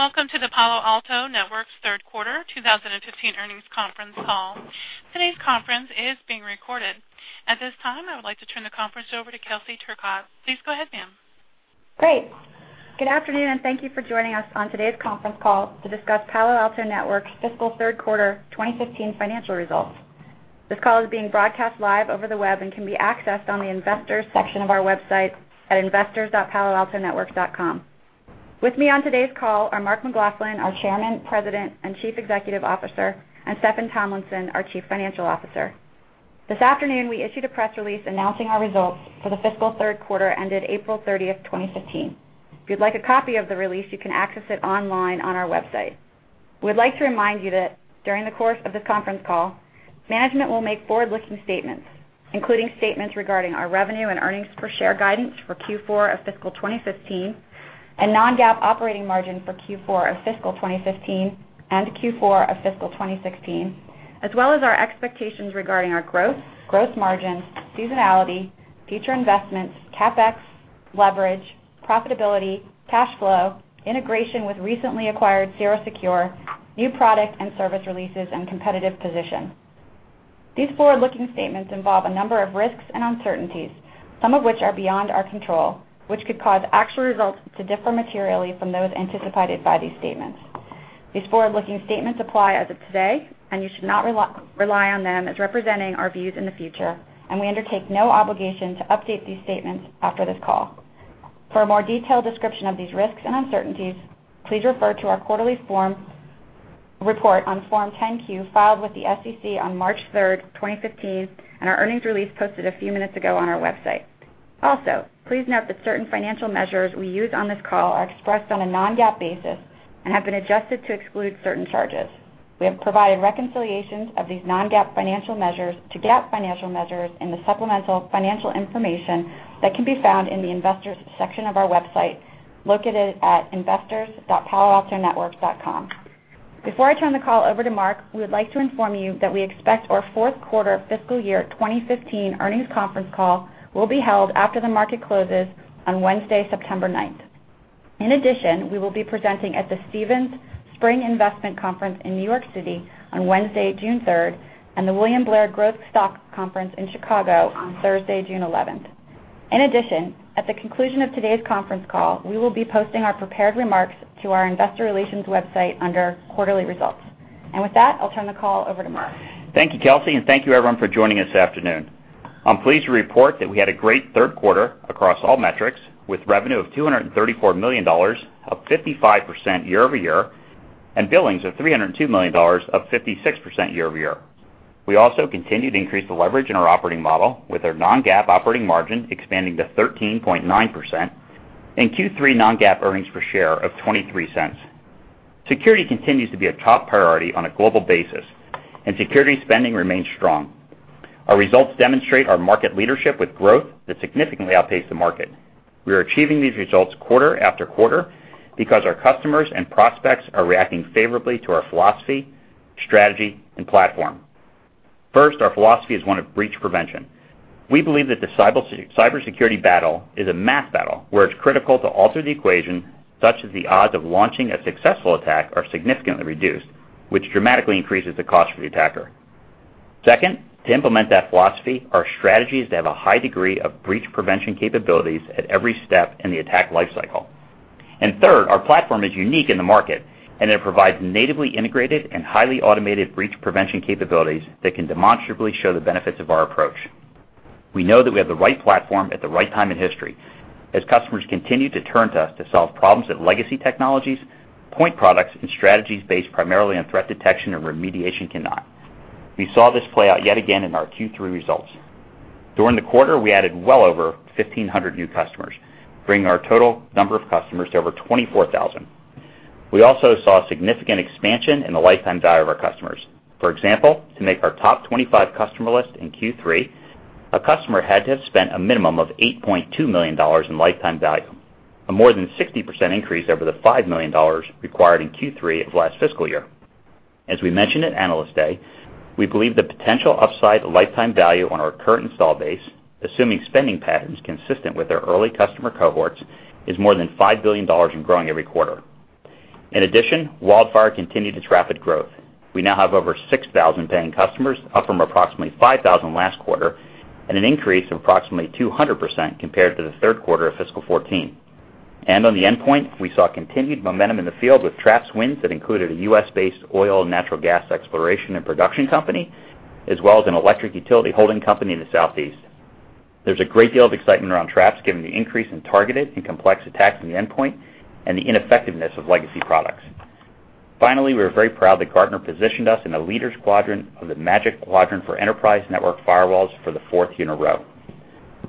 Good day, welcome to the Palo Alto Networks third quarter 2015 earnings conference call. Today's conference is being recorded. At this time, I would like to turn the conference over to Kelsey Turcotte. Please go ahead, ma'am. Great. Good afternoon, thank you for joining us on today's conference call to discuss Palo Alto Networks' fiscal third quarter 2015 financial results. This call is being broadcast live over the web and can be accessed on the investors section of our website at investors.paloaltonetworks.com. With me on today's call are Mark McLaughlin, our Chairman, President, and Chief Executive Officer, and Steffan Tomlinson, our Chief Financial Officer. This afternoon, we issued a press release announcing our results for the fiscal third quarter ended April 30th, 2015. If you'd like a copy of the release, you can access it online on our website. We'd like to remind you that during the course of this conference call, management will make forward-looking statements, including statements regarding our revenue and earnings per share guidance for Q4 of fiscal 2015 and non-GAAP operating margin for Q4 of fiscal 2015 and Q4 of fiscal 2016, as well as our expectations regarding our growth, gross margin, seasonality, future investments, CapEx, leverage, profitability, cash flow, integration with recently acquired CirroSecure, new product and service releases, and competitive position. These forward-looking statements involve a number of risks and uncertainties, some of which are beyond our control, which could cause actual results to differ materially from those anticipated by these statements. These forward-looking statements apply as of today, you should not rely on them as representing our views in the future, we undertake no obligation to update these statements after this call. For a more detailed description of these risks and uncertainties, please refer to our quarterly report on Form 10-Q filed with the SEC on March 3rd, 2015, our earnings release posted a few minutes ago on our website. Also, please note that certain financial measures we use on this call are expressed on a non-GAAP basis and have been adjusted to exclude certain charges. We have provided reconciliations of these non-GAAP financial measures to GAAP financial measures in the supplemental financial information that can be found in the investors section of our website, located at investors.paloaltonetworks.com. Before I turn the call over to Mark, we would like to inform you that we expect our fourth quarter fiscal year 2015 earnings conference call will be held after the market closes on Wednesday, September 9th. In addition, we will be presenting at the Stephens Annual Investment Conference in New York City on Wednesday, June 3rd, and the William Blair Growth Stock Conference in Chicago on Thursday, June 11th. In addition, at the conclusion of today's conference call, we will be posting our prepared remarks to our investor relations website under quarterly results. With that, I'll turn the call over to Mark. Thank you, Kelsey, and thank you, everyone, for joining us this afternoon. I'm pleased to report that we had a great third quarter across all metrics with revenue of $234 million, up 55% year-over-year, and billings of $302 million, up 56% year-over-year. We also continued to increase the leverage in our operating model with our non-GAAP operating margin expanding to 13.9% and Q3 non-GAAP EPS of $0.23. Security continues to be a top priority on a global basis, and security spending remains strong. Our results demonstrate our market leadership with growth that significantly outpaced the market. We are achieving these results quarter after quarter because our customers and prospects are reacting favorably to our philosophy, strategy, and platform. First, our philosophy is one of breach prevention. We believe that the cybersecurity battle is a math battle where it's critical to alter the equation, such that the odds of launching a successful attack are significantly reduced, which dramatically increases the cost for the attacker. Second, to implement that philosophy, our strategy is to have a high degree of breach prevention capabilities at every step in the attack life cycle. Third, our platform is unique in the market, and it provides natively integrated and highly automated breach prevention capabilities that can demonstrably show the benefits of our approach. We know that we have the right platform at the right time in history as customers continue to turn to us to solve problems that legacy technologies, point products, and strategies based primarily on threat detection or remediation cannot. We saw this play out yet again in our Q3 results. During the quarter, we added well over 1,500 new customers, bringing our total number of customers to over 24,000. We also saw a significant expansion in the lifetime value of our customers. For example, to make our top 25 customer list in Q3, a customer had to have spent a minimum of $8.2 million in lifetime value, a more than 60% increase over the $5 million required in Q3 of last fiscal year. As we mentioned at Analyst Day, we believe the potential upside lifetime value on our current install base, assuming spending patterns consistent with our early customer cohorts, is more than $5 billion and growing every quarter. In addition, WildFire continued its rapid growth. We now have over 6,000 paying customers, up from approximately 5,000 last quarter and an increase of approximately 200% compared to the third quarter of fiscal 2014. On the endpoint, we saw continued momentum in the field with Traps wins that included a U.S.-based oil and natural gas exploration and production company, as well as an electric utility holding company in the Southeast. There's a great deal of excitement around Traps given the increase in targeted and complex attacks on the endpoint and the ineffectiveness of legacy products. Finally, we are very proud that Gartner positioned us in the leaders quadrant of the Magic Quadrant for Enterprise Network Firewalls for the fourth year in a row.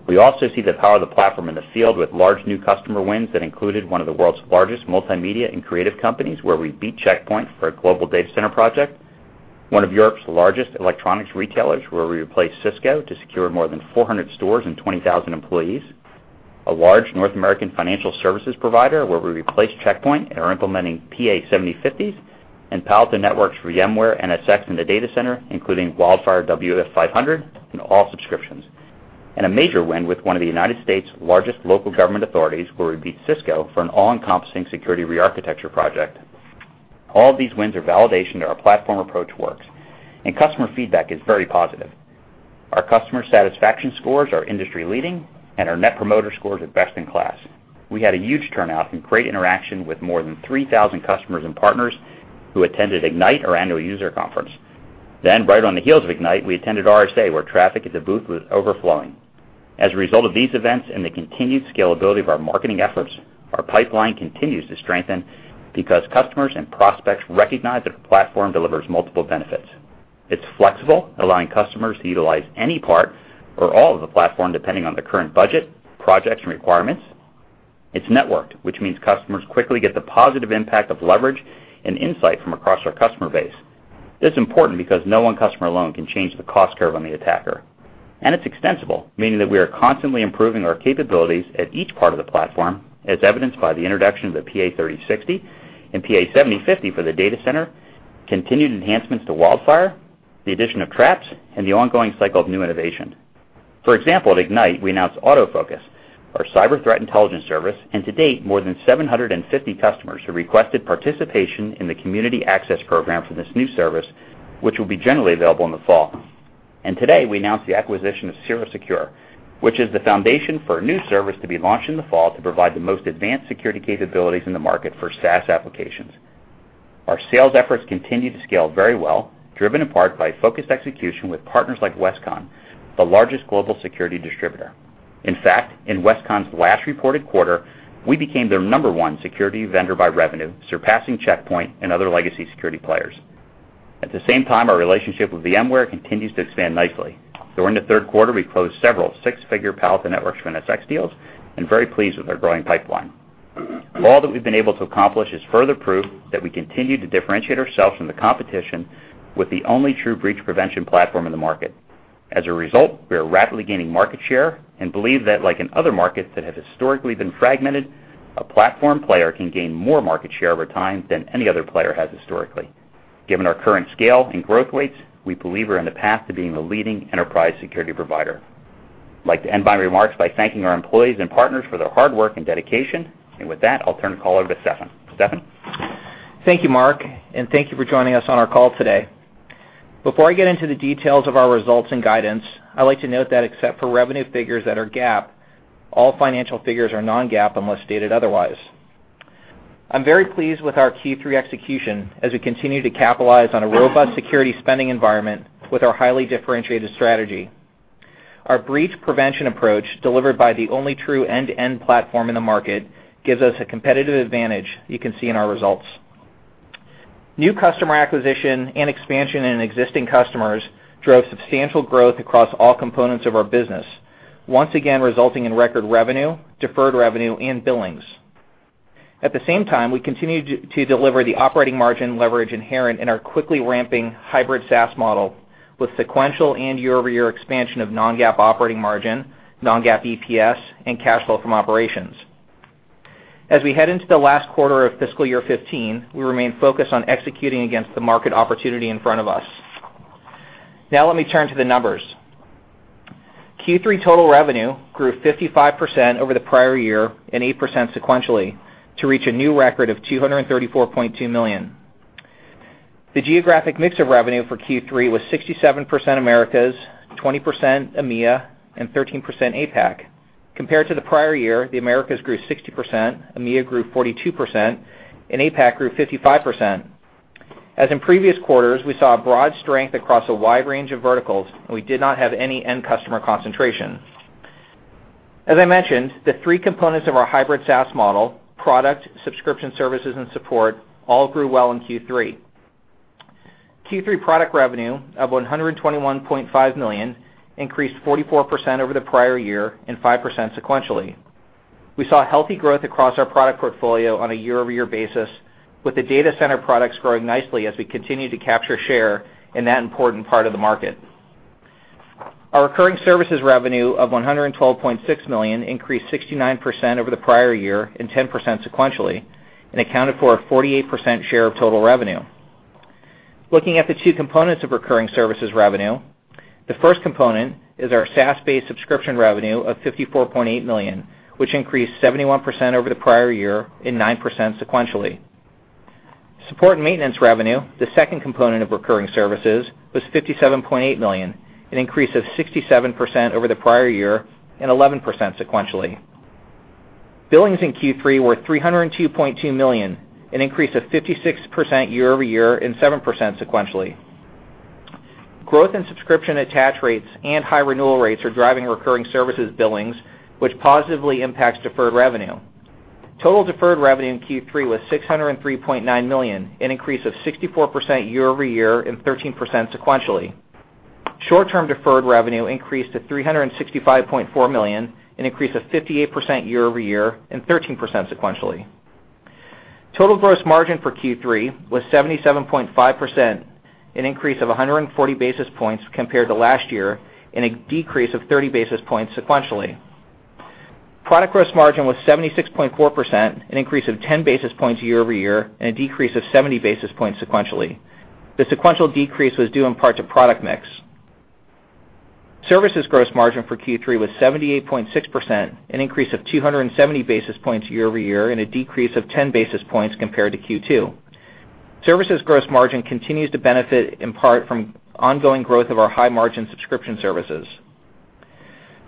We also see the power of the platform in the field with large new customer wins that included one of the world's largest multimedia and creative companies, where we beat Check Point for a global data center project, one of Europe's largest electronics retailers, where we replaced Cisco to secure more than 400 stores and 20,000 employees, a large North American financial services provider, where we replaced Check Point and are implementing PA-7050s, and Palo Alto Networks for VMware NSX in the data center, including WildFire WF-500 and all subscriptions. A major win with one of the U.S.'s largest local government authorities, where we beat Cisco for an all-encompassing security re-architecture project. All of these wins are validation that our platform approach works, and customer feedback is very positive. Our customer satisfaction scores are industry leading, and our net promoter scores are best in class. We had a huge turnout and great interaction with more than 3,000 customers and partners who attended Ignite, our annual user conference. Right on the heels of Ignite, we attended RSA, where traffic at the booth was overflowing. As a result of these events and the continued scalability of our marketing efforts, our pipeline continues to strengthen because customers and prospects recognize that the platform delivers multiple benefits. It's flexible, allowing customers to utilize any part or all of the platform depending on their current budget, projects, and requirements. It's networked, which means customers quickly get the positive impact of leverage and insight from across our customer base. This is important because no one customer alone can change the cost curve on the attacker. It's extensible, meaning that we are constantly improving our capabilities at each part of the platform, as evidenced by the introduction of the PA-3060 and PA-7050 for the data center, continued enhancements to WildFire, the addition of Traps, and the ongoing cycle of new innovation. For example, at Ignite, we announced AutoFocus, our cyber threat intelligence service, to date, more than 750 customers have requested participation in the community access program for this new service, which will be generally available in the fall. Today, we announced the acquisition of CirroSecure, which is the foundation for a new service to be launched in the fall to provide the most advanced security capabilities in the market for SaaS applications. Our sales efforts continue to scale very well, driven in part by focused execution with partners like Westcon, the largest global security distributor. In fact, in Westcon's last reported quarter, we became their number one security vendor by revenue, surpassing Check Point and other legacy security players. At the same time, our relationship with VMware continues to expand nicely. During the third quarter, we closed several six-figure Palo Alto Networks for NSX deals and very pleased with our growing pipeline. All that we've been able to accomplish is further proof that we continue to differentiate ourselves from the competition with the only true breach prevention platform in the market. As a result, we are rapidly gaining market share and believe that like in other markets that have historically been fragmented, a platform player can gain more market share over time than any other player has historically. Given our current scale and growth rates, we believe we're on the path to being the leading enterprise security provider. I'd like to end my remarks by thanking our employees and partners for their hard work and dedication. With that, I'll turn the call over to Steffan. Steffan? Thank you, Mark. Thank you for joining us on our call today. Before I get into the details of our results and guidance, I'd like to note that except for revenue figures that are GAAP, all financial figures are non-GAAP unless stated otherwise. I'm very pleased with our Q3 execution as we continue to capitalize on a robust security spending environment with our highly differentiated strategy. Our breach prevention approach, delivered by the only true end-to-end platform in the market, gives us a competitive advantage you can see in our results. New customer acquisition and expansion in existing customers drove substantial growth across all components of our business, once again resulting in record revenue, deferred revenue, and billings. At the same time, we continue to deliver the operating margin leverage inherent in our quickly ramping hybrid SaaS model with sequential and year-over-year expansion of non-GAAP operating margin, non-GAAP EPS, and cash flow from operations. As we head into the last quarter of fiscal year 2015, we remain focused on executing against the market opportunity in front of us. Now let me turn to the numbers. Q3 total revenue grew 55% over the prior year and 8% sequentially to reach a new record of $234.2 million. The geographic mix of revenue for Q3 was 67% Americas, 20% EMEA, and 13% APAC. Compared to the prior year, the Americas grew 60%, EMEA grew 42%, and APAC grew 55%. As in previous quarters, we saw a broad strength across a wide range of verticals, and we did not have any end customer concentration. As I mentioned, the 3 components of our hybrid SaaS model, product, subscription services, and support, all grew well in Q3. Q3 product revenue of $121.5 million increased 44% over the prior year and 5% sequentially. We saw healthy growth across our product portfolio on a year-over-year basis, with the data center products growing nicely as we continue to capture share in that important part of the market. Our recurring services revenue of $112.6 million increased 69% over the prior year and 10% sequentially and accounted for a 48% share of total revenue. Looking at the 2 components of recurring services revenue, the 1st component is our SaaS-based subscription revenue of $54.8 million, which increased 71% over the prior year and 9% sequentially. Support and maintenance revenue, the 2nd component of recurring services, was $57.8 million, an increase of 67% over the prior year and 11% sequentially. Billings in Q3 were $302.2 million, an increase of 56% year-over-year and 7% sequentially. Growth in subscription attach rates and high renewal rates are driving recurring services billings, which positively impacts deferred revenue. Total deferred revenue in Q3 was $603.9 million, an increase of 64% year-over-year and 13% sequentially. Short-term deferred revenue increased to $365.4 million, an increase of 58% year-over-year and 13% sequentially. Total gross margin for Q3 was 77.5%, an increase of 140 basis points compared to last year and a decrease of 30 basis points sequentially. Product gross margin was 76.4%, an increase of 10 basis points year-over-year and a decrease of 70 basis points sequentially. The sequential decrease was due in part to product mix. Services gross margin for Q3 was 78.6%, an increase of 270 basis points year-over-year, and a decrease of 10 basis points compared to Q2. Services gross margin continues to benefit in part from ongoing growth of our high-margin subscription services.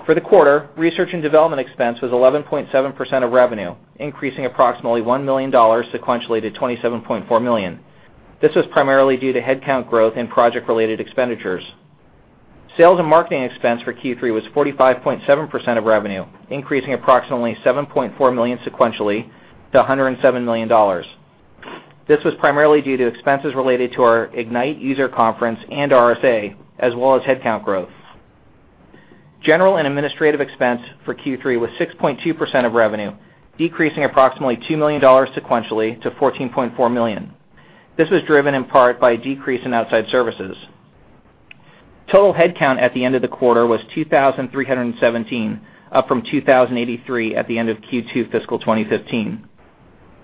For the quarter, research and development expense was 11.7% of revenue, increasing approximately $1 million sequentially to $27.4 million. This was primarily due to headcount growth and project-related expenditures. Sales and marketing expense for Q3 was 45.7% of revenue, increasing approximately $7.4 million sequentially to $107 million. This was primarily due to expenses related to our Ignite user conference and RSA, as well as headcount growth. General and administrative expense for Q3 was 6.2% of revenue, decreasing approximately $2 million sequentially to $14.4 million. This was driven in part by a decrease in outside services. Total headcount at the end of the quarter was 2,317, up from 2,083 at the end of Q2 fiscal 2015.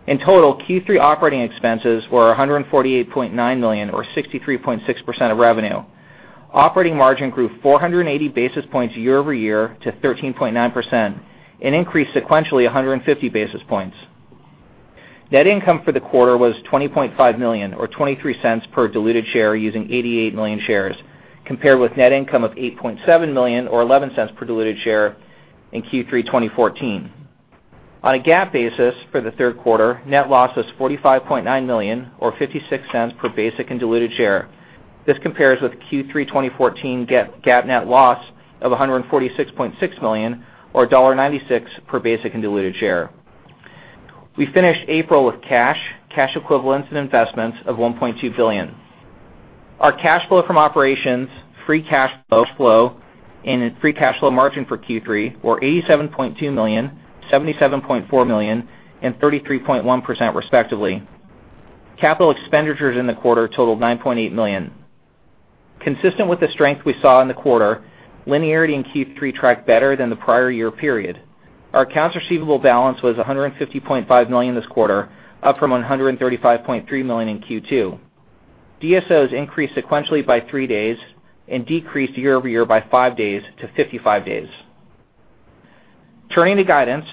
In total, Q3 operating expenses were $148.9 million, or 63.6% of revenue. Operating margin grew 480 basis points year-over-year to 13.9%, an increase sequentially 150 basis points. Net income for the quarter was $20.5 million, or $0.23 per diluted share using 88 million shares, compared with net income of $8.7 million or $0.11 per diluted share in Q3 2014. On a GAAP basis for the 3rd quarter, net loss was $45.9 million, or $0.56 per basic and diluted share. This compares with Q3 2014 GAAP net loss of $146.6 million or $1.96 per basic and diluted share. We finished April with cash equivalents, and investments of $1.2 billion. Our cash flow from operations, free cash flow, and free cash flow margin for Q3 were $87.2 million, $77.4 million and 33.1% respectively. Capital expenditures in the quarter totaled $9.8 million. Consistent with the strength we saw in the quarter, linearity in Q3 tracked better than the prior year period. Our accounts receivable balance was $150.5 million this quarter, up from $135.3 million in Q2. DSOs increased sequentially by three days and decreased year-over-year by five days to 55 days. Turning to guidance,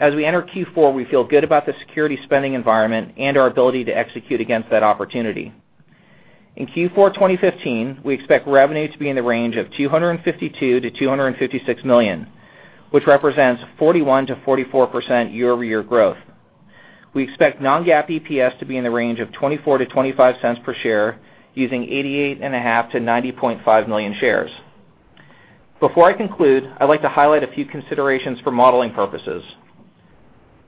as we enter Q4, we feel good about the security spending environment and our ability to execute against that opportunity. In Q4 2015, we expect revenue to be in the range of $252 million-$256 million, which represents 41%-44% year-over-year growth. We expect non-GAAP EPS to be in the range of $0.24-$0.25 per share, using 88.5 million-90.5 million shares. Before I conclude, I'd like to highlight a few considerations for modeling purposes.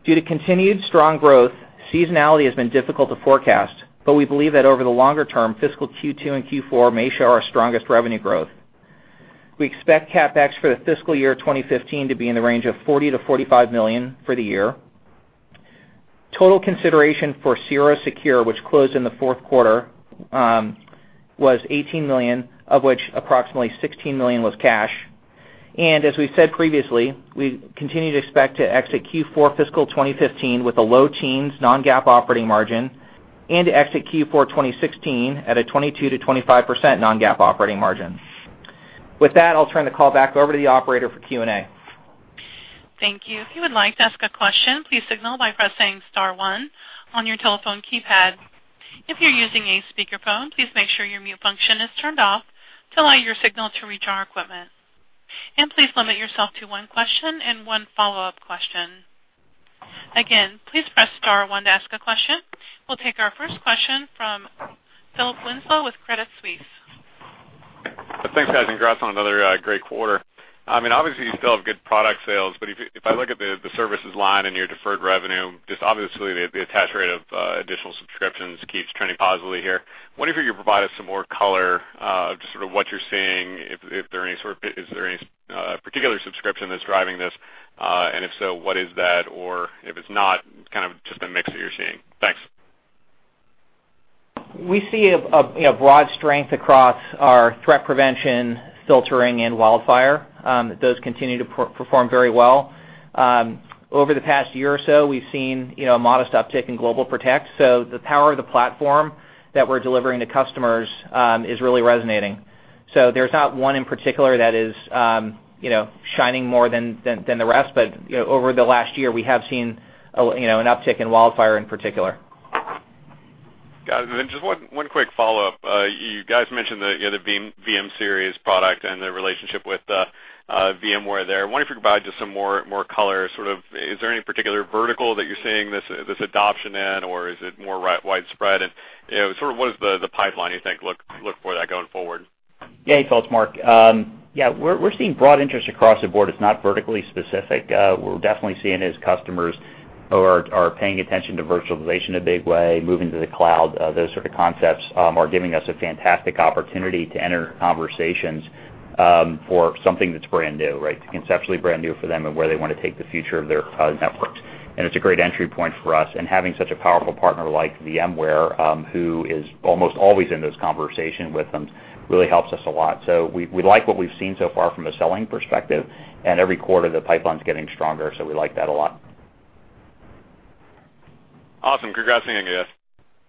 Due to continued strong growth, seasonality has been difficult to forecast, but we believe that over the longer term, fiscal Q2 and Q4 may show our strongest revenue growth. We expect CapEx for the fiscal year 2015 to be in the range of $40 million-$45 million for the year. Total consideration for CirroSecure, which closed in the fourth quarter, was $18 million, of which approximately $16 million was cash. As we've said previously, we continue to expect to exit Q4 fiscal 2015 with a low teens non-GAAP operating margin and exit Q4 2016 at a 22%-25% non-GAAP operating margin. With that, I'll turn the call back over to the operator for Q&A. Thank you. If you would like to ask a question, please signal by pressing star one on your telephone keypad. If you're using a speakerphone, please make sure your mute function is turned off to allow your signal to reach our equipment. Please limit yourself to one question and one follow-up question. Again, please press star one to ask a question. We'll take our first question from Philip Winslow with Credit Suisse. Thanks, guys, and congrats on another great quarter. Obviously, you still have good product sales, but if I look at the services line and your deferred revenue, just obviously the attach rate of additional subscriptions keeps trending positively here. Wonder if you could provide us some more color, just sort of what you're seeing, is there any particular subscription that's driving this? If so, what is that? If it's not, kind of just the mix that you're seeing. Thanks. We see a broad strength across our threat prevention, filtering and WildFire. Those continue to perform very well. Over the past year or so, we've seen a modest uptick in GlobalProtect. The power of the platform that we're delivering to customers is really resonating. There's not one in particular that is shining more than the rest. Over the last year, we have seen an uptick in WildFire in particular. Got it. Just one quick follow-up. You guys mentioned the VM-Series product and the relationship with VMware there. I wonder if you could provide just some more color, sort of is there any particular vertical that you're seeing this adoption in, or is it more widespread? Sort of what does the pipeline, you think, look for that going forward? Thanks, Mark. We're seeing broad interest across the board. It's not vertically specific. We're definitely seeing is customers are paying attention to virtualization in a big way, moving to the cloud. Those sort of concepts are giving us a fantastic opportunity to enter conversations for something that's brand new, conceptually brand new for them and where they want to take the future of their networks. It's a great entry point for us. Having such a powerful partner like VMware, who is almost always in those conversation with them, really helps us a lot. We like what we've seen so far from a selling perspective. Every quarter, the pipeline's getting stronger, we like that a lot. Awesome. Congrats again, guys.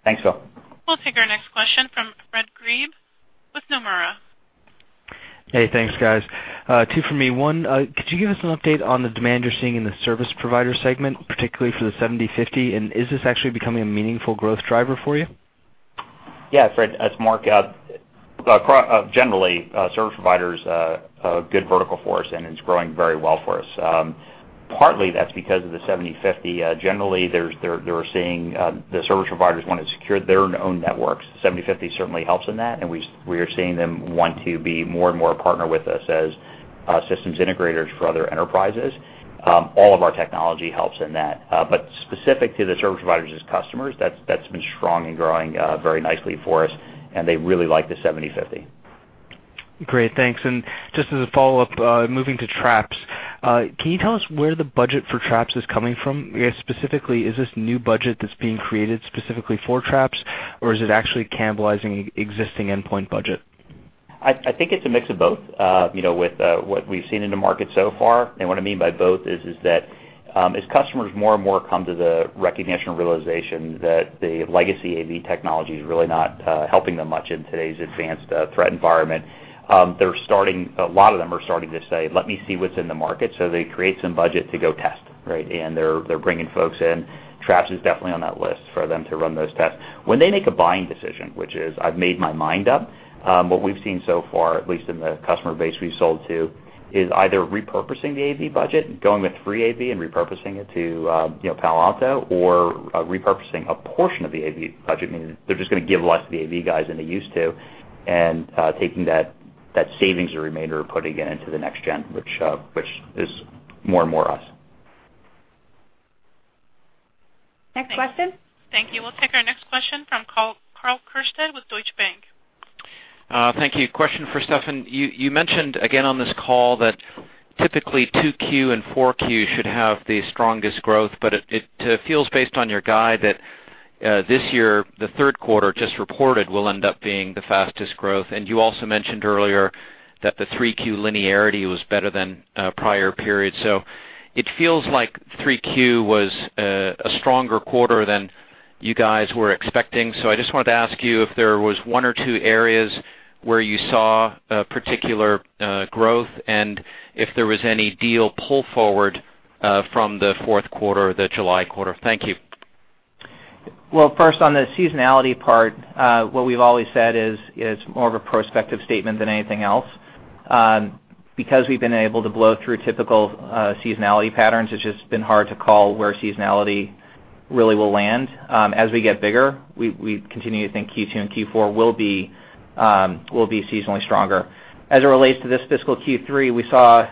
Thanks, Phil. We'll take our next question from Fred Grieb with Nomura. Hey, thanks guys. Two from me. One, could you give us an update on the demand you're seeing in the service provider segment, particularly for the 7050? Is this actually becoming a meaningful growth driver for you? Yeah, Fred, it's Mark. Generally, service provider's a good vertical for us, and it's growing very well for us. Partly that's because of the 7050. Generally, they were seeing the service providers want to secure their own networks. 7050 certainly helps in that, and we are seeing them want to be more and more a partner with us as systems integrators for other enterprises. All of our technology helps in that. Specific to the service providers as customers, that's been strong and growing very nicely for us, and they really like the 7050. Great, thanks. Just as a follow-up, moving to Traps, can you tell us where the budget for Traps is coming from? Specifically, is this new budget that's being created specifically for Traps, or is it actually cannibalizing existing endpoint budget? I think it's a mix of both, with what we've seen in the market so far. What I mean by both is that as customers more and more come to the recognition and realization that the legacy AV technology is really not helping them much in today's advanced threat environment, a lot of them are starting to say, "Let me see what's in the market." They create some budget to go test, right? They're bringing folks in. Traps is definitely on that list for them to run those tests. When they make a buying decision, which is, "I've made my mind up," what we've seen so far, at least in the customer base we've sold to, is either repurposing the AV budget, going with free AV and repurposing it to Palo Alto, or repurposing a portion of the AV budget, meaning they're just going to give less to the AV guys than they used to, and taking that savings or remainder and putting it into the next-gen, which is more and more us. Next question. Thank you. We'll take our next question from Karl Keirstead with Deutsche Bank. Thank you. Question for Steffan. You mentioned again on this call that typically 2Q and 4Q should have the strongest growth, but it feels, based on your guide, that this year, the third quarter just reported will end up being the fastest growth. You also mentioned earlier that the 3Q linearity was better than prior periods. It feels like 3Q was a stronger quarter than you guys were expecting. I just wanted to ask you if there was one or two areas where you saw particular growth and if there was any deal pull forward from the fourth quarter or the July quarter. Thank you. First on the seasonality part, what we've always said is it's more of a prospective statement than anything else. We've been able to blow through typical seasonality patterns, it's just been hard to call where seasonality really will land. As we get bigger, we continue to think Q2 and Q4 will be seasonally stronger. As it relates to this fiscal Q3, we saw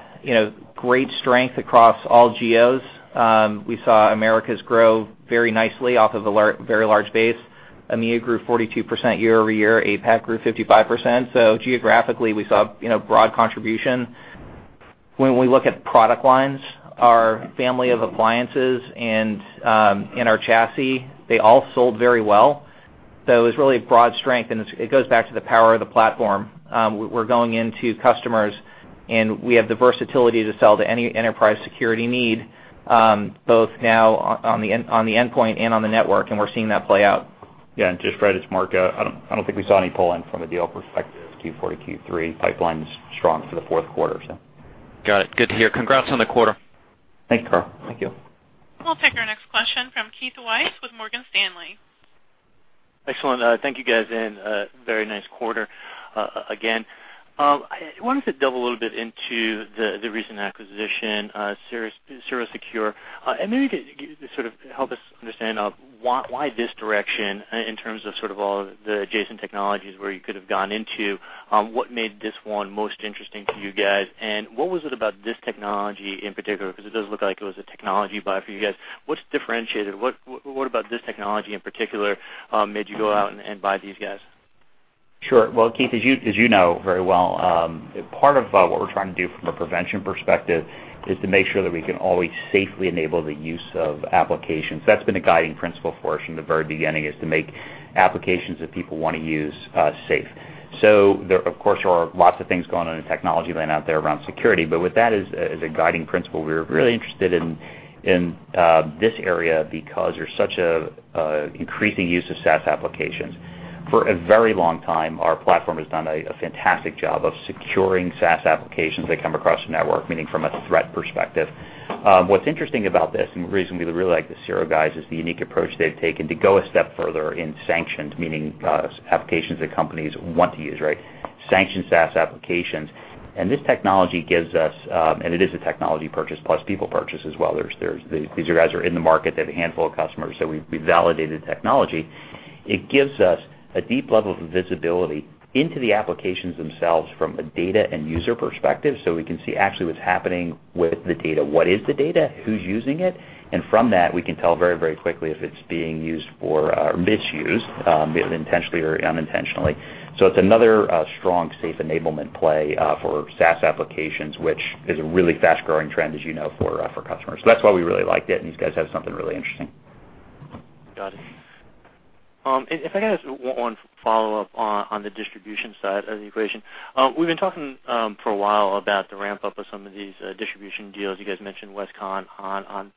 great strength across all geos. We saw Americas grow very nicely off of a very large base. EMEA grew 42% year-over-year. APAC grew 55%. Geographically, we saw broad contribution. When we look at product lines, our family of appliances and our chassis, they all sold very well. It was really a broad strength, and it goes back to the power of the platform. We're going into customers. We have the versatility to sell to any enterprise security need, both now on the endpoint and on the network. We're seeing that play out. Yeah, just Fred, it's Mark. I don't think we saw any pull-in from a deal perspective, Q4 to Q3. Pipeline's strong for the fourth quarter. Got it. Good to hear. Congrats on the quarter. Thank you, Karl. Thank you. We'll take our next question from Keith Weiss with Morgan Stanley. Excellent. Thank you guys, very nice quarter again. I wanted to delve a little bit into the recent acquisition, CirroSecure, and maybe you could sort of help us understand why this direction in terms of sort of all the adjacent technologies where you could have gone into. What made this one most interesting to you guys? What was it about this technology in particular? Because it does look like it was a technology buy for you guys. What's differentiated? What about this technology in particular made you go out and buy these guys? Sure. Well, Keith, as you know very well, part of what we're trying to do from a prevention perspective is to make sure that we can always safely enable the use of applications. That's been a guiding principle for us from the very beginning is to make applications that people want to use safe. There, of course, are lots of things going on in the technology lane out there around security. With that as a guiding principle, we were really interested in this area because there's such an increasing use of SaaS applications. For a very long time, our platform has done a fantastic job of securing SaaS applications that come across the network, meaning from a threat perspective. What's interesting about this, and the reason we really like the Cirro guys, is the unique approach they've taken to go a step further in sanctioned, meaning applications that companies want to use, right? Sanctioned SaaS applications. And this technology gives us, and it is a technology purchase plus people purchase as well. These guys are in the market. They have a handful of customers, so we validated the technology. It gives us a deep level of visibility into the applications themselves from a data and user perspective, so we can see actually what's happening with the data, what is the data, who's using it. And from that, we can tell very quickly if it's being misused, intentionally or unintentionally. It's another strong, safe enablement play for SaaS applications, which is a really fast-growing trend, as you know, for customers. That's why we really liked it, and these guys have something really interesting. Got it. If I could ask one follow-up on the distribution side of the equation. We've been talking for a while about the ramp-up of some of these distribution deals. You guys mentioned Westcon on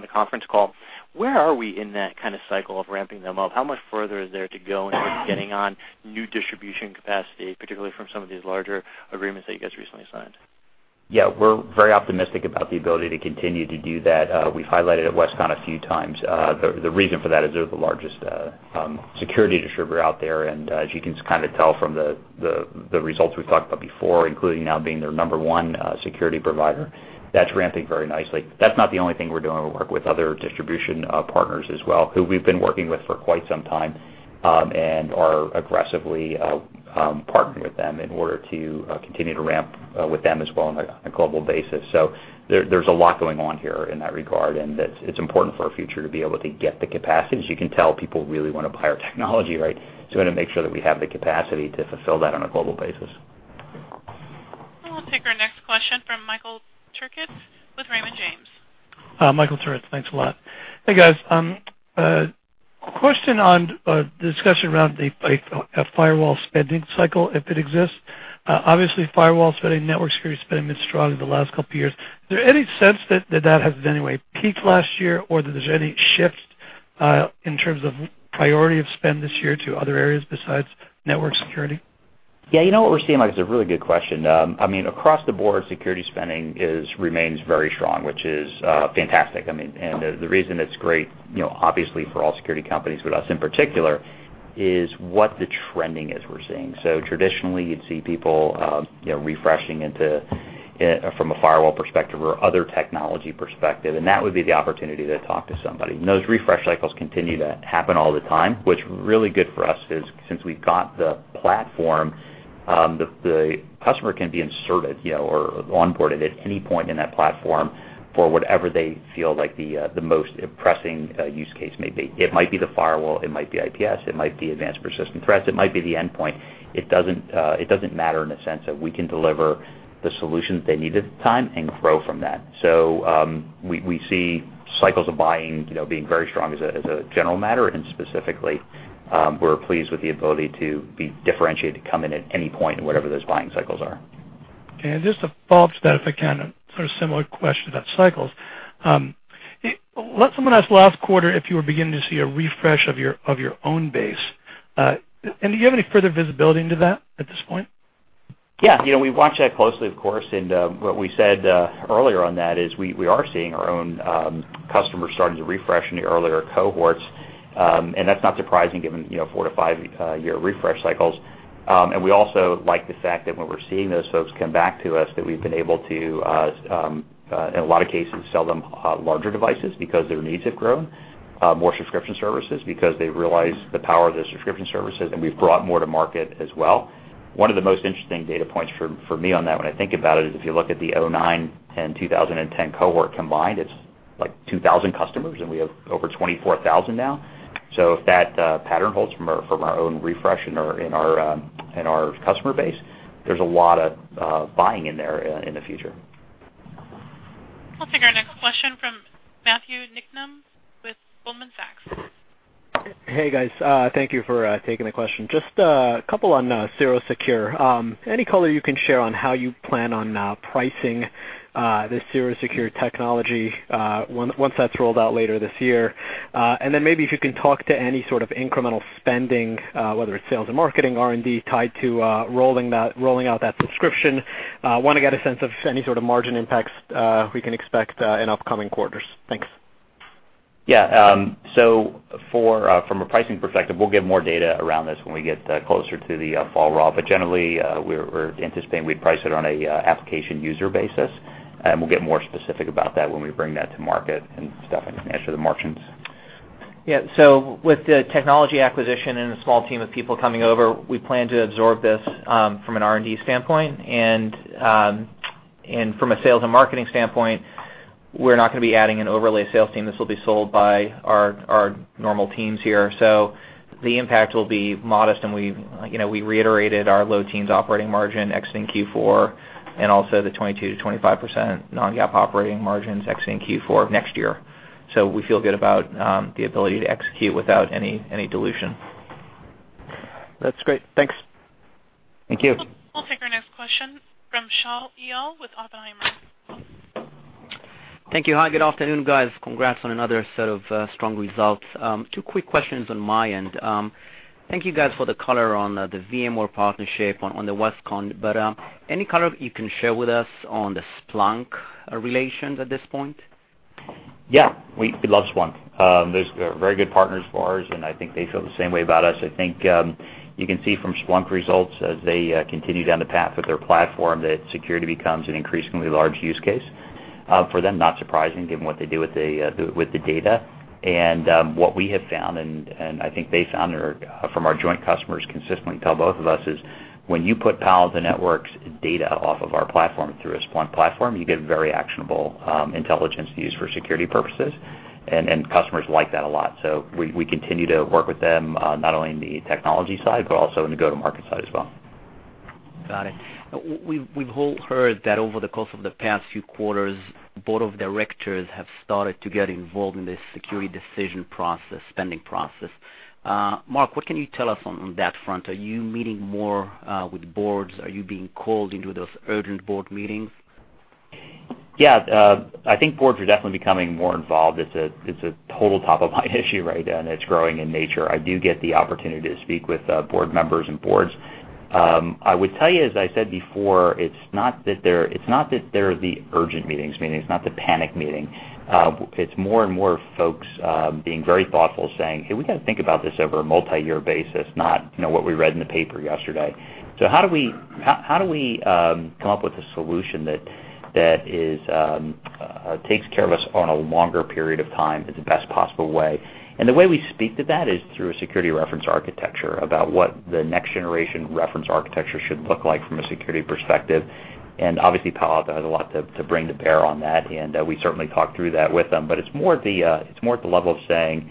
the conference call. Where are we in that cycle of ramping them up? How much further is there to go in getting on new distribution capacity, particularly from some of these larger agreements that you guys recently signed? Yeah, we're very optimistic about the ability to continue to do that. We've highlighted at Westcon a few times. The reason for that is they're the largest security distributor out there, and as you can tell from the results we've talked about before, including now being their number one security provider, that's ramping very nicely. That's not the only thing we're doing. We work with other distribution partners as well, who we've been working with for quite some time, and are aggressively partnering with them in order to continue to ramp with them as well on a global basis. There's a lot going on here in that regard, and it's important for our future to be able to get the capacity. As you can tell, people really want to buy our technology, so we want to make sure that we have the capacity to fulfill that on a global basis. We'll take our next question from Michael Turits with Raymond James. Michael Turits. Thanks a lot. Hey, guys. Question on discussion around a firewall spending cycle, if it exists. Firewall spending, network security spending has been strong in the last couple of years. Is there any sense that has in any way peaked last year, or that there's any shift in terms of priority of spend this year to other areas besides network security? Yeah, what we're seeing, Michael, is a really good question. Across the board, security spending remains very strong, which is fantastic. The reason it's great, obviously for all security companies, but us in particular, is what the trending is we're seeing. Traditionally, you'd see people refreshing from a firewall perspective or other technology perspective, and that would be the opportunity to talk to somebody. Those refresh cycles continue to happen all the time, what's really good for us is since we've got the platform, the customer can be inserted or onboarded at any point in that platform for whatever they feel like the most pressing use case may be. It might be the firewall, it might be IPS, it might be advanced persistent threats, it might be the endpoint. It doesn't matter in the sense that we can deliver the solutions they need at the time and grow from that. We see cycles of buying being very strong as a general matter, and specifically, we're pleased with the ability to be differentiated to come in at any point in whatever those buying cycles are. Okay. Just to follow up to that, if I can, a similar question about cycles. Someone asked last quarter if you were beginning to see a refresh of your own base. Do you have any further visibility into that at this point? Yeah. We watch that closely, of course, and what we said earlier on that is we are seeing our own customers starting to refresh in the earlier cohorts. That's not surprising given four to five-year refresh cycles. We also like the fact that when we're seeing those folks come back to us, that we've been able to, in a lot of cases, sell them larger devices because their needs have grown. More subscription services because they realize the power of the subscription services, and we've brought more to market as well. One of the most interesting data points for me on that when I think about it is if you look at the 2009 and 2010 cohort combined, it's like 2,000 customers, and we have over 24,000 now. If that pattern holds from our own refresh in our customer base, there's a lot of buying in there in the future. I'll take our next question from Matthew Niknam with Goldman Sachs. Hey, guys. Thank you for taking the question. Just a couple on CirroSecure. Any color you can share on how you plan on pricing the CirroSecure technology once that's rolled out later this year? Maybe if you can talk to any sort of incremental spending, whether it's sales and marketing, R&D, tied to rolling out that subscription. Want to get a sense of any sort of margin impacts we can expect in upcoming quarters. Thanks. Yeah. From a pricing perspective, we'll give more data around this when we get closer to the fall, Rob. Generally, we're anticipating we'd price it on an application user basis, and we'll get more specific about that when we bring that to market. Steffan can answer the margins. Yeah. With the technology acquisition and the small team of people coming over, we plan to absorb this from an R&D standpoint, and from a sales and marketing standpoint, we're not going to be adding an overlay sales team. This will be sold by our normal teams here. The impact will be modest, and we reiterated our low teens operating margin exiting Q4, and also the 22%-25% non-GAAP operating margins exiting Q4 of next year. We feel good about the ability to execute without any dilution. That's great. Thanks. Thank you. I'll take our next question from Shaul Eyal with Oppenheimer. Thank you. Hi, good afternoon, guys. Congrats on another set of strong results. Two quick questions on my end. Thank you guys for the color on the VMware partnership on the Westcon, but any color you can share with us on the Splunk relations at this point? Yeah. We love Splunk. They're very good partners of ours, and I think they feel the same way about us. I think you can see from Splunk results as they continue down the path with their platform, that security becomes an increasingly large use case for them. Not surprising given what they do with the data. What we have found, and I think they found, from our joint customers consistently tell both of us is when you put Palo Alto Networks data off of our platform through a Splunk platform, you get very actionable intelligence to use for security purposes, and customers like that a lot. We continue to work with them, not only on the technology side, but also on the go-to-market side as well. Got it. We've all heard that over the course of the past few quarters, board of directors have started to get involved in the security decision process, spending process. Mark, what can you tell us on that front? Are you meeting more with boards? Are you being called into those urgent board meetings? Yeah. I think boards are definitely becoming more involved. It's a total top-of-mind issue right now, and it's growing in nature. I do get the opportunity to speak with board members and boards. I would tell you, as I said before, it's not that they're the urgent meetings, meaning it's not the panic meeting. It's more and more folks being very thoughtful, saying, "Hey, we got to think about this over a multi-year basis, not what we read in the paper yesterday." How do we come up with a solution that takes care of us on a longer period of time in the best possible way? The way we speak to that is through a security reference architecture about what the next generation reference architecture should look like from a security perspective. Obviously, Palo Alto has a lot to bring to bear on that, and we certainly talk through that with them. It's more at the level of saying,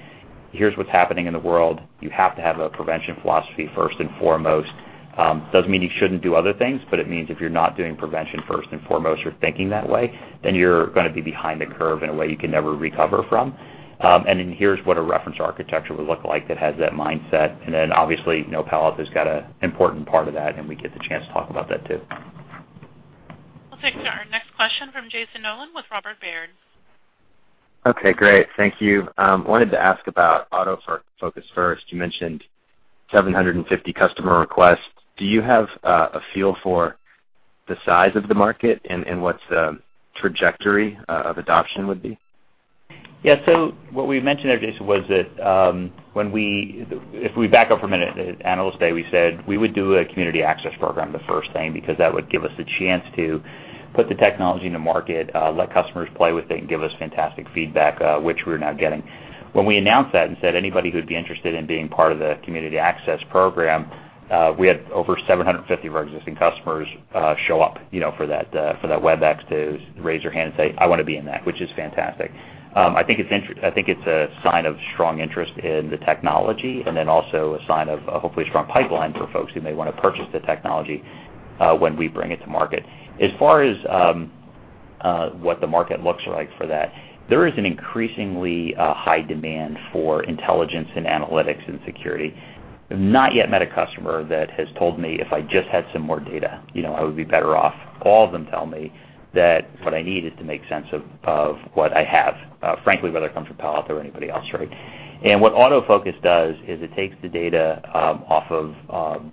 "Here's what's happening in the world. You have to have a prevention philosophy first and foremost." Doesn't mean you shouldn't do other things, but it means if you're not doing prevention first and foremost or thinking that way, then you're going to be behind the curve in a way you can never recover from. Here's what a reference architecture would look like that has that mindset. Obviously, Palo Alto's got a important part of that, and we get the chance to talk about that too. We'll take our next question from Jayson Noland with Robert W. Baird. Okay, great. Thank you. I wanted to ask about AutoFocus first. You mentioned 750 customer requests. Do you have a feel for the size of the market and what the trajectory of adoption would be? Yeah. What we mentioned there, Jayson, was that if we back up for a minute, at Analyst Day, we said we would do a community access program the first thing, because that would give us the chance to put the technology into market, let customers play with it and give us fantastic feedback, which we're now getting. When we announced that and said anybody who'd be interested in being part of the community access program, we had over 750 of our existing customers show up for that Webex to raise their hand and say, "I want to be in that," which is fantastic. I think it's a sign of strong interest in the technology also a sign of hopefully a strong pipeline for folks who may want to purchase the technology when we bring it to market. As far as what the market looks like for that, there is an increasingly high demand for intelligence and analytics in security. I've not yet met a customer that has told me, "If I just had some more data I would be better off." All of them tell me that, "What I need is to make sense of what I have," frankly, whether it comes from Palo Alto or anybody else, right? What AutoFocus does is it takes the data off of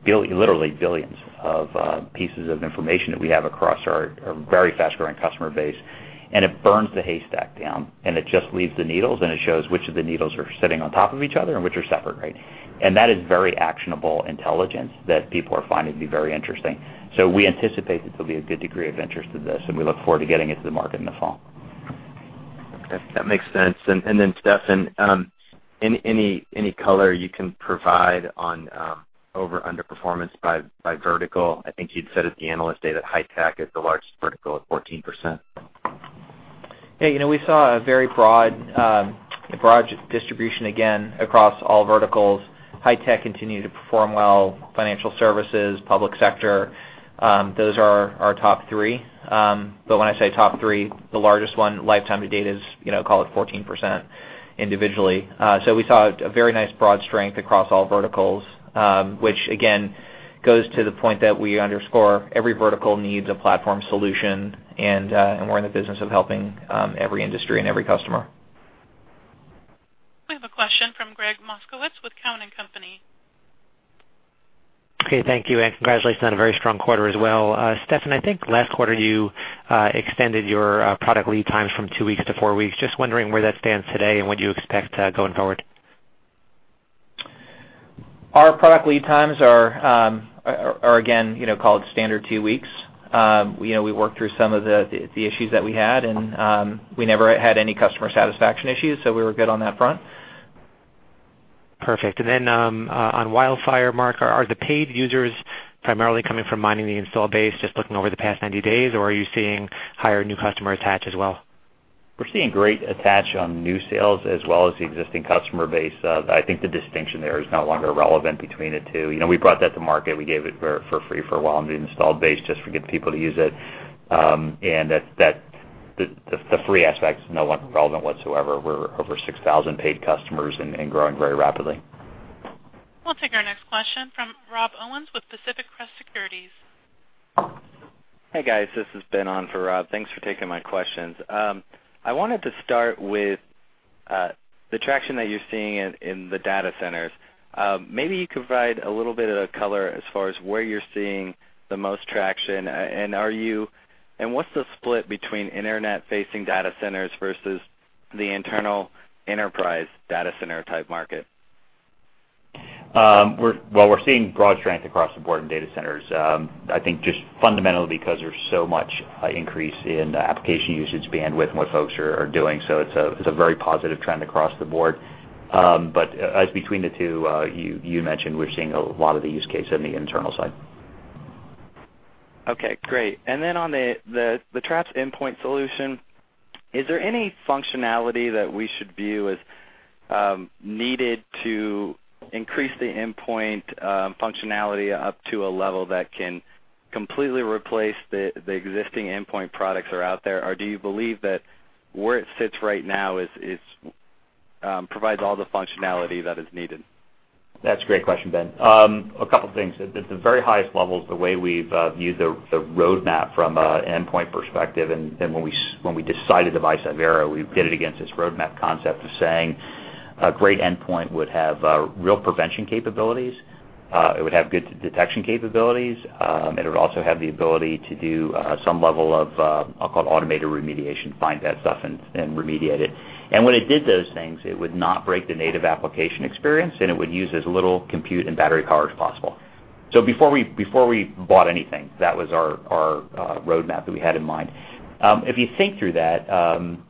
literally billions of pieces of information that we have across our very fast-growing customer base, and it burns the haystack down and it just leaves the needles, and it shows which of the needles are sitting on top of each other and which are separate, right? That is very actionable intelligence that people are finding to be very interesting. We anticipate that there'll be a good degree of interest in this, and we look forward to getting it to the market in the fall. Okay. That makes sense. Steffan, any color you can provide on over/under performance by vertical? I think you'd said at the Analyst Day that high-tech is the largest vertical at 14%. Hey, we saw a very broad distribution again across all verticals. High tech continued to perform well. Financial services, public sector, those are our top three. When I say top three, the largest one lifetime to date is, call it 14% individually. We saw a very nice broad strength across all verticals. Which again, goes to the point that we underscore every vertical needs a platform solution, and we're in the business of helping every industry and every customer. We have a question from Gregg Moskowitz with Cowen and Company. Okay. Thank you, and congratulations on a very strong quarter as well. Steffan, I think last quarter you extended your product lead times from 2 weeks to 4 weeks. Just wondering where that stands today and what you expect going forward. Our product lead times are again, call it standard 2 weeks. We worked through some of the issues that we had, and we never had any customer satisfaction issues, so we were good on that front. Perfect. On WildFire, Mark, are the paid users primarily coming from mining the install base, just looking over the past 90 days, or are you seeing higher new customer attach as well? We're seeing great attach on new sales as well as the existing customer base. I think the distinction there is no longer relevant between the two. We brought that to market. We gave it for free for a while on the installed base just to get people to use it. The free aspect is no longer relevant whatsoever. We're over 6,000 paid customers and growing very rapidly. We'll take our next question from Rob Owens with Pacific Crest Securities. Hey, guys, this is Ben on for Rob. Thanks for taking my questions. I wanted to start with the traction that you're seeing in the data centers. Maybe you could provide a little bit of color as far as where you're seeing the most traction. What's the split between internet-facing data centers versus the internal enterprise data center type market? We're seeing broad strength across the board in data centers. I think just fundamentally because there's so much increase in application usage bandwidth and what folks are doing. It's a very positive trend across the board. As between the two you mentioned, we're seeing a lot of the use case on the internal side. Okay, great. Then on the Traps endpoint solution Is there any functionality that we should view as needed to increase the endpoint functionality up to a level that can completely replace the existing endpoint products that are out there? Do you believe that where it sits right now provides all the functionality that is needed? That's a great question, Ben. A couple things. At the very highest levels, the way we've viewed the road map from an endpoint perspective, when we decided to buy Cyvera, we pitted against this road map concept of saying a great endpoint would have real prevention capabilities. It would have good detection capabilities. It would also have the ability to do some level of, I'll call it automated remediation, find that stuff and remediate it. When it did those things, it would not break the native application experience, and it would use as little compute and battery power as possible. Before we bought anything, that was our road map that we had in mind. If you think through that,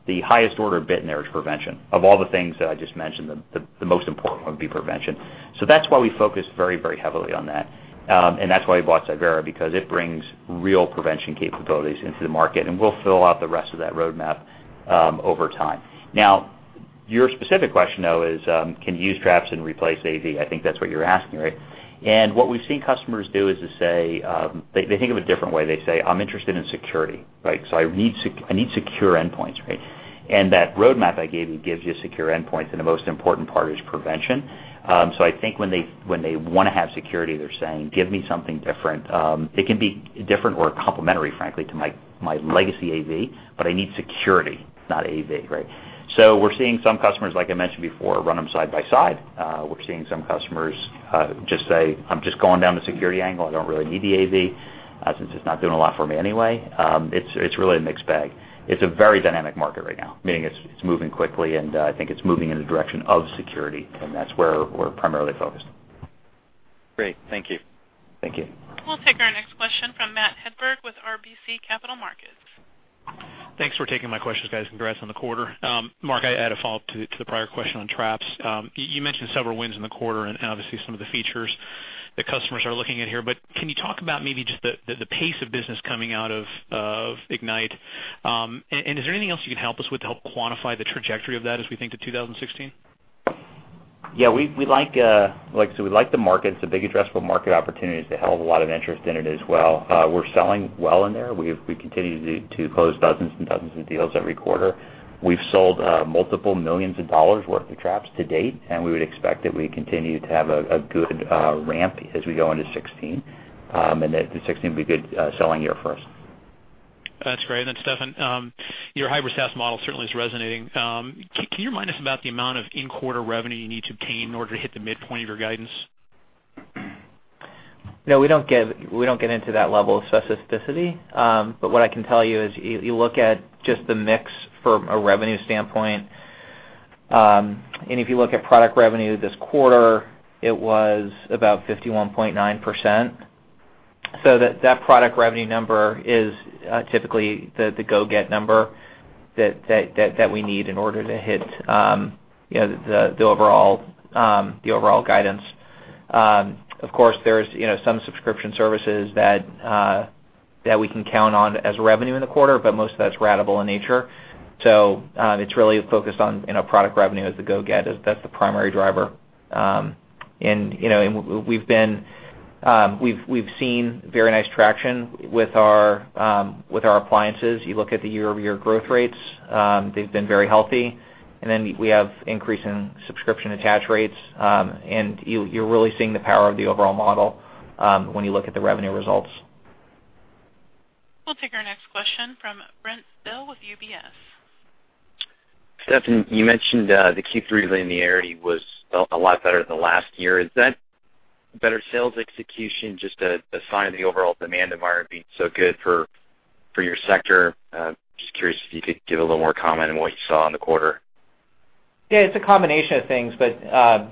the highest order bit in there is prevention. Of all the things that I just mentioned, the most important one would be prevention. That's why we focus very heavily on that. That's why we bought Cyvera because it brings real prevention capabilities into the market, and we'll fill out the rest of that road map over time. Now, your specific question, though, is can you use Traps and replace AV? I think that's what you're asking, right? What we've seen customers do is they think of a different way. They say, "I'm interested in security. I need secure endpoints," right? That road map I gave you gives you secure endpoints, and the most important part is prevention. I think when they want to have security, they're saying, "Give me something different. It can be different or complementary, frankly, to my legacy AV, but I need security, not AV," right? We're seeing some customers, like I mentioned before, run them side by side. We're seeing some customers just say, "I'm just going down the security angle. I don't really need the AV since it's not doing a lot for me anyway." It's really a mixed bag. It's a very dynamic market right now, meaning it's moving quickly, and I think it's moving in the direction of security, and that's where we're primarily focused. Great. Thank you. Thank you. We'll take our next question from Matthew Hedberg with RBC Capital Markets. Thanks for taking my questions, guys. Congrats on the quarter. Mark, I had a follow-up to the prior question on Traps. Can you talk about maybe just the pace of business coming out of Ignite? Is there anything else you can help us with to help quantify the trajectory of that as we think to 2016? Yeah. We like the market. It's a big addressable market opportunity. There's a hell of a lot of interest in it as well. We're selling well in there. We continue to close dozens and dozens of deals every quarter. We've sold multiple millions of dollars worth of Traps to date. We would expect that we continue to have a good ramp as we go into 2016, that 2016 will be a good selling year for us. That's great. Steffan, your hybrid SaaS model certainly is resonating. Can you remind us about the amount of in-quarter revenue you need to obtain in order to hit the midpoint of your guidance? No, we don't get into that level of specificity. What I can tell you is, you look at just the mix from a revenue standpoint, if you look at product revenue this quarter, it was about 51.9%. That product revenue number is typically the go-get number that we need in order to hit the overall guidance. Of course, there is some subscription services that we can count on as revenue in the quarter, but most of that's ratable in nature. It's really a focus on product revenue as the go-get. That's the primary driver. We've seen very nice traction with our appliances. You look at the year-over-year growth rates, they've been very healthy. We have increasing subscription attach rates. You're really seeing the power of the overall model when you look at the revenue results. We'll take our next question from Brent Thill with UBS. Steffan, you mentioned the Q3 linearity was a lot better than last year. Is that better sales execution just a sign of the overall demand environment being so good for your sector? Just curious if you could give a little more comment on what you saw in the quarter. Yeah, it's a combination of things. As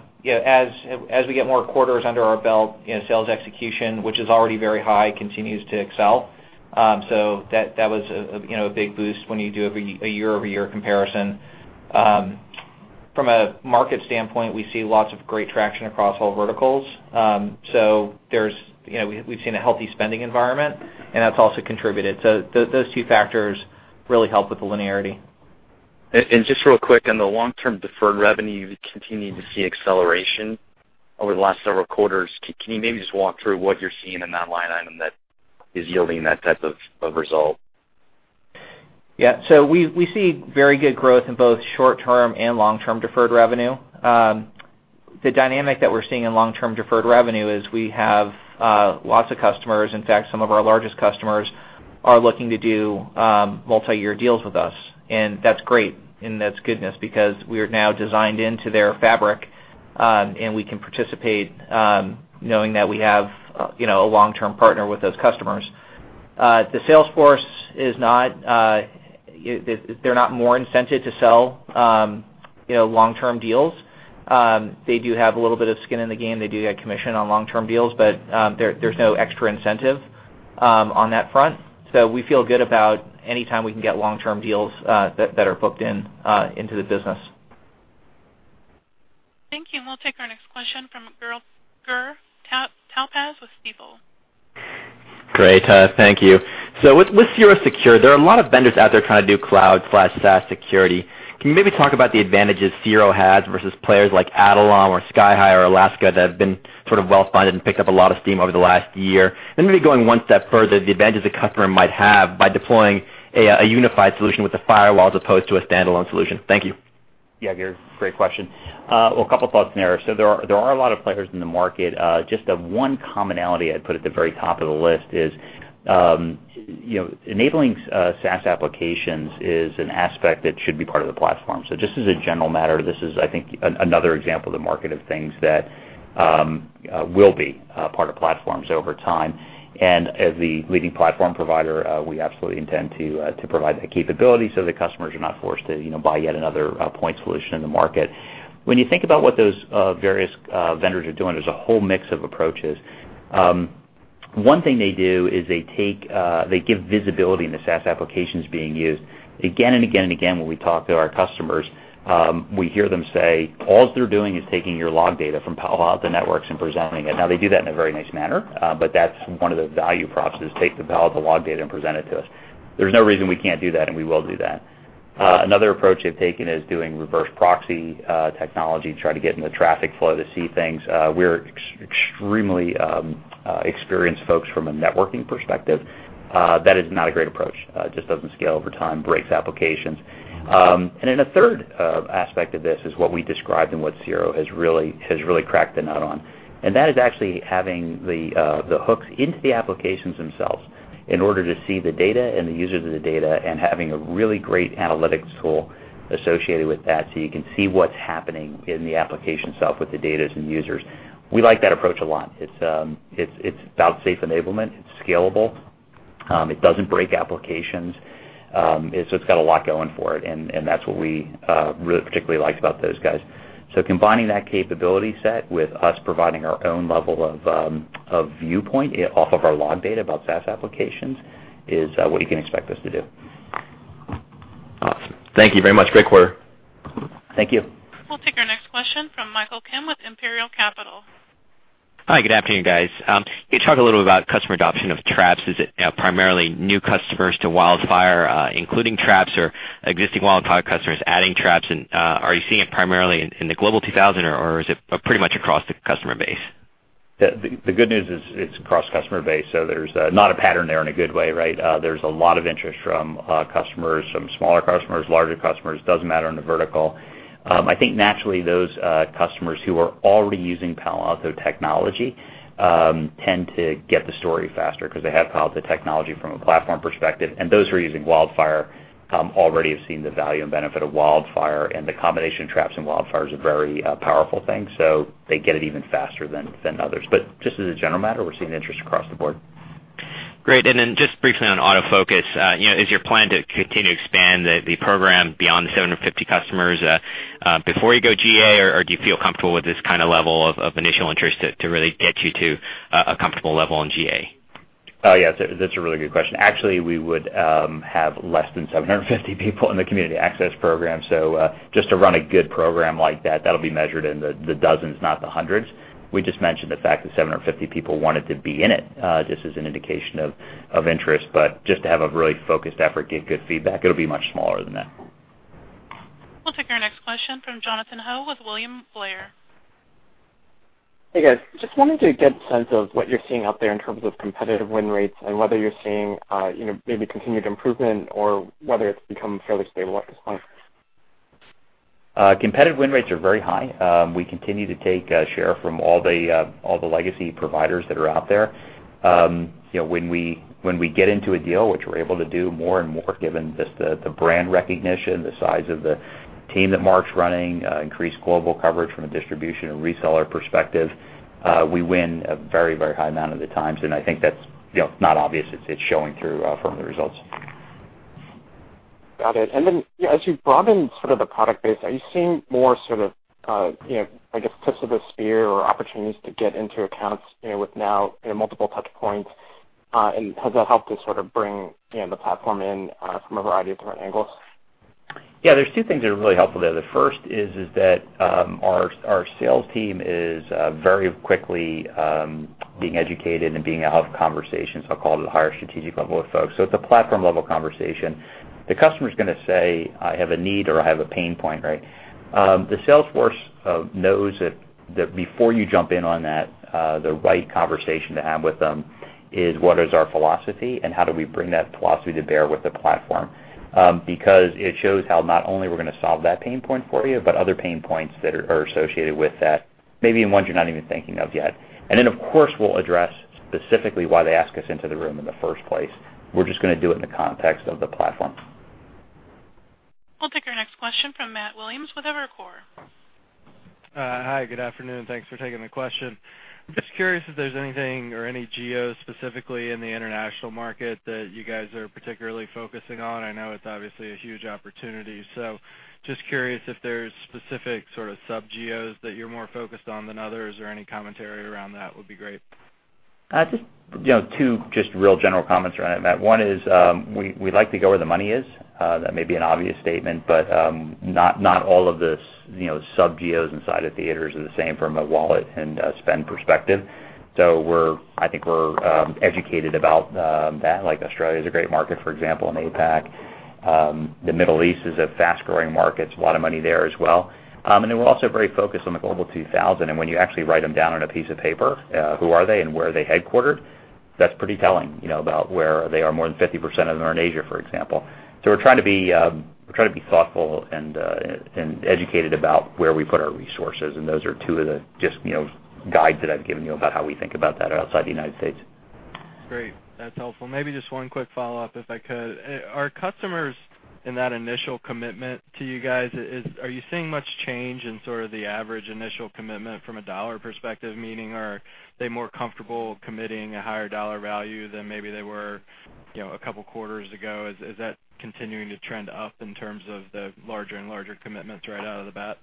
we get more quarters under our belt, sales execution, which is already very high, continues to excel. That was a big boost when you do a year-over-year comparison. From a market standpoint, we see lots of great traction across all verticals. We've seen a healthy spending environment, and that's also contributed. Those two factors really help with the linearity. Just real quick, on the long-term deferred revenue, you've continued to see acceleration over the last several quarters. Can you maybe just walk through what you're seeing in that line item that is yielding that type of result? Yeah. We see very good growth in both short-term and long-term deferred revenue. The dynamic that we're seeing in long-term deferred revenue is we have lots of customers. In fact, some of our largest customers are looking to do multi-year deals with us. That's great, and that's goodness because we are now designed into their fabric, and we can participate knowing that we have a long-term partner with those customers. The sales force, they're not more incented to sell long-term deals. They do have a little bit of skin in the game. They do get commission on long-term deals, there's no extra incentive on that front. We feel good about any time we can get long-term deals that are booked into the business. Thank you. We'll take our next question from Gur Talpaz with Stifel. Great. Thank you. With CirroSecure, there are a lot of vendors out there trying to do cloud/SaaS security. Can you maybe talk about the advantages Cirro has versus players like Adallom or Skyhigh or Elastica that have been sort of well-funded and picked up a lot of steam over the last year? Maybe going one step further, the advantage the customer might have by deploying a unified solution with a firewall as opposed to a standalone solution. Thank you. Yeah, Gur, great question. Well, a couple thoughts there. There are a lot of players in the market. Just the one commonality I'd put at the very top of the list is, enabling SaaS applications is an aspect that should be part of the platform. Just as a general matter, this is, I think, another example of the market of things that will be part of platforms over time. As the leading platform provider, we absolutely intend to provide that capability so the customers are not forced to buy yet another point solution in the market. When you think about what those various vendors are doing, there's a whole mix of approaches. One thing they do is they give visibility into SaaS applications being used. Again and again and again, when we talk to our customers, we hear them say, "All they're doing is taking your log data from Palo Alto Networks and presenting it." Now, they do that in a very nice manner, but that's one of the value props, is take the Palo Alto log data and present it to us. There's no reason we can't do that, and we will do that. Another approach they've taken is doing reverse proxy technology to try to get in the traffic flow to see things. We're extremely experienced folks from a networking perspective. That is not a great approach. It just doesn't scale over time, breaks applications. A third aspect of this is what we described and what Cirro has really cracked the nut on, and that is actually having the hooks into the applications themselves in order to see the data and the users of the data and having a really great analytics tool associated with that so you can see what's happening in the application itself with the data and users. We like that approach a lot. It's about safe enablement. It's scalable. It doesn't break applications. It's got a lot going for it, and that's what we really particularly liked about those guys. Combining that capability set with us providing our own level of viewpoint off of our log data about SaaS applications is what you can expect us to do. Awesome. Thank you very much. Great quarter. Thank you. We'll take our next question from Michael Kim with Imperial Capital. Hi, good afternoon, guys. Can you talk a little about customer adoption of Traps? Is it primarily new customers to WildFire, including Traps or existing WildFire customers adding Traps? Are you seeing it primarily in the Global 2000, or is it pretty much across the customer base? The good news is it's across customer base, there's not a pattern there in a good way, right? There's a lot of interest from customers, from smaller customers, larger customers, doesn't matter in the vertical. I think naturally those customers who are already using Palo Alto technology tend to get the story faster because they have Palo Alto technology from a platform perspective. Those who are using WildFire already have seen the value and benefit of WildFire, and the combination of Traps and WildFire is a very powerful thing. They get it even faster than others. Just as a general matter, we're seeing interest across the board. Great. Just briefly on AutoFocus, is your plan to continue to expand the program beyond the 750 customers before you go GA, or do you feel comfortable with this kind of level of initial interest to really get you to a comfortable level in GA? Yes, that's a really good question. Actually, we would have less than 750 people in the community access program. Just to run a good program like that'll be measured in the dozens, not the hundreds. We just mentioned the fact that 750 people wanted to be in it, just as an indication of interest. Just to have a really focused effort, get good feedback, it'll be much smaller than that. We'll take our next question from Jonathan Ho with William Blair. Hey, guys. Just wanted to get a sense of what you're seeing out there in terms of competitive win rates and whether you're seeing maybe continued improvement or whether it's become fairly stable at this point. Competitive win rates are very high. We continue to take share from all the legacy providers that are out there. When we get into a deal, which we're able to do more and more, given just the brand recognition, the size of the team that Mark's running, increased global coverage from a distribution and reseller perspective, we win a very high amount of the times. I think that's not obvious. It's showing through from the results. Got it. Then as you broaden sort of the product base, are you seeing more sort of, I guess, tips of the spear or opportunities to get into accounts with now multiple touch points? Has that helped to sort of bring the platform in from a variety of different angles? Yeah, there's two things that are really helpful there. The first is that our sales team is very quickly being educated and being out of conversations, I'll call it, at a higher strategic level with folks. It's a platform-level conversation. The customer's going to say, "I have a need," or, "I have a pain point," right? The sales force knows that before you jump in on that, the right conversation to have with them is what is our philosophy and how do we bring that philosophy to bear with the platform? Because it shows how not only we're going to solve that pain point for you, but other pain points that are associated with that, maybe even ones you're not even thinking of yet. Then, of course, we'll address specifically why they ask us into the room in the first place. We're just going to do it in the context of the platform. We'll take our next question from Matt Williams with Evercore. Hi, good afternoon. Thanks for taking the question. I'm just curious if there's anything or any geos specifically in the international market that you guys are particularly focusing on. I know it's obviously a huge opportunity. Just curious if there's specific sort of sub-geos that you're more focused on than others or any commentary around that would be great. Just two just real general comments around it, Matt. One is we like to go where the money is. That may be an obvious statement. Not all of this, sub geos inside of theaters are the same from a wallet and a spend perspective. I think we're educated about that. Like Australia is a great market, for example, in APAC. The Middle East is a fast-growing market. There's a lot of money there as well. We're also very focused on the Global 2000, and when you actually write them down on a piece of paper, who are they and where are they headquartered, that's pretty telling about where they are. More than 50% of them are in Asia, for example. We're trying to be thoughtful and educated about where we put our resources, and those are two of the guides that I've given you about how we think about that outside the United States. Great. That's helpful. Maybe just one quick follow-up, if I could. Are customers in that initial commitment to you guys, are you seeing much change in sort of the average initial commitment from a dollar perspective? Meaning, are they more comfortable committing a higher dollar value than maybe they were a couple of quarters ago? Is that continuing to trend up in terms of the larger and larger commitments right out of the bat?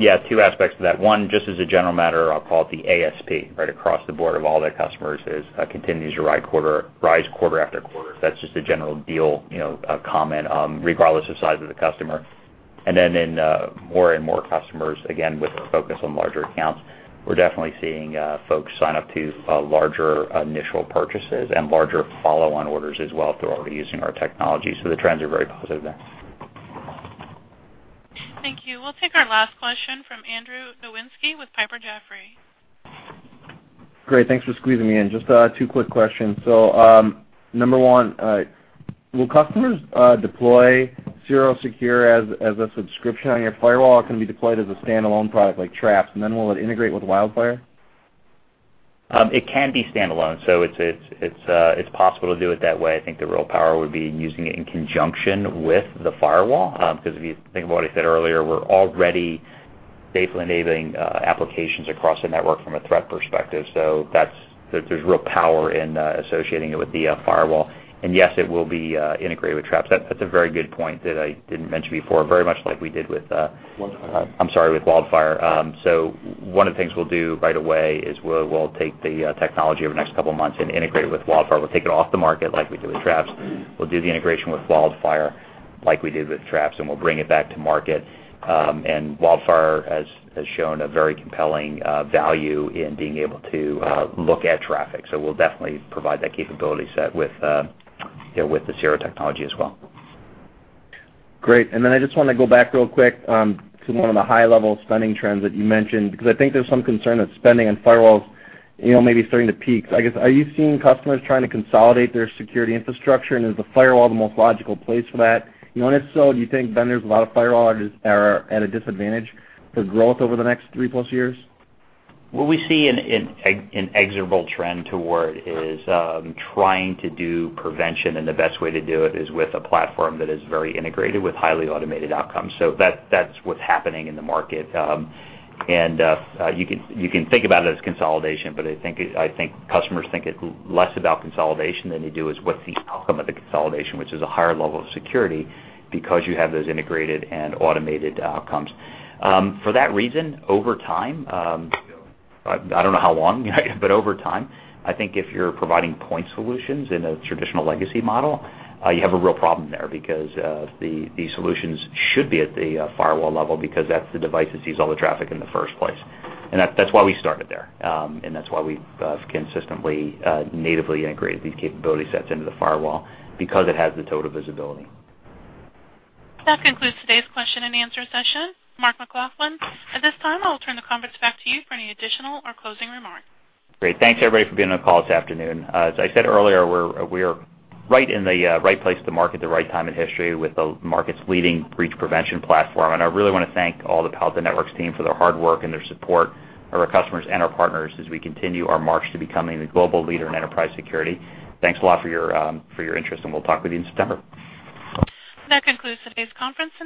Yeah, two aspects to that. One, just as a general matter, I'll call it the ASP, right across the board of all their customers, continues to rise quarter after quarter. That's just a general deal, a comment, regardless of size of the customer. In more and more customers, again, with a focus on larger accounts, we're definitely seeing folks sign up to larger initial purchases and larger follow-on orders as well if they're already using our technology. The trends are very positive there. Thank you. We'll take our last question from Andrew Nowinski with Piper Jaffray. Great, thanks for squeezing me in. Just two quick questions. Number one, will customers deploy CirroSecure as a subscription on your firewall? It can be deployed as a standalone product like Traps, and then will it integrate with WildFire? It can be standalone. It's possible to do it that way. I think the real power would be in using it in conjunction with the firewall. If you think about what I said earlier, we're already safely enabling applications across the network from a threat perspective. There's real power in associating it with the firewall. Yes, it will be integrated with Traps. That's a very good point that I didn't mention before. WildFire. I'm sorry, with WildFire. One of the things we'll do right away is we'll take the technology over the next couple of months and integrate it with WildFire. We'll take it off the market like we do with Traps. We'll do the integration with WildFire like we did with Traps, and we'll bring it back to market. WildFire has shown a very compelling value in being able to look at traffic. We'll definitely provide that capability set with the CirroSecure technology as well. Great. Then I just want to go back real quick to one of the high-level spending trends that you mentioned, I think there's some concern that spending on firewalls maybe is starting to peak. Are you seeing customers trying to consolidate their security infrastructure? Is the firewall the most logical place for that? If so, do you think then there's a lot of firewalls that are at a disadvantage for growth over the next three-plus years? What we see an inexorable trend toward is trying to do prevention, the best way to do it is with a platform that is very integrated with highly automated outcomes. That's what's happening in the market. You can think about it as consolidation, I think customers think it's less about consolidation than they do is what's the outcome of the consolidation, which is a higher level of security because you have those integrated and automated outcomes. For that reason, over time, I don't know how long, but over time, I think if you're providing point solutions in a traditional legacy model, you have a real problem there because the solutions should be at the firewall level because that's the device that sees all the traffic in the first place. That's why we started there. That's why we've consistently natively integrated these capability sets into the firewall because it has the total visibility. That concludes today's question and answer session. Mark McLaughlin, at this time I'll turn the conference back to you for any additional or closing remarks. Great. Thanks, everybody, for being on the call this afternoon. As I said earlier, we are right in the right place to market at the right time in history with the market's leading breach prevention platform. I really want to thank all the Palo Alto Networks team for their hard work and their support of our customers and our partners as we continue our march to becoming the global leader in enterprise security. Thanks a lot for your interest, and we'll talk with you in September. That concludes today's conference.